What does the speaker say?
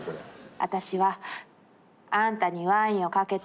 「あたしはあんたにワインをかけた」。